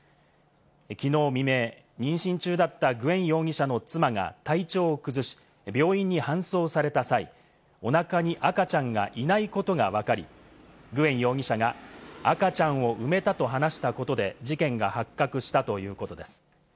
きのう未明、妊娠中だったグエン容疑者の妻が体調を崩し、病院に搬送された際、おなかに赤ちゃんがいないことがわかり、グエン容疑者が赤ちゃんを埋めたと話したことで事件が発覚したということです。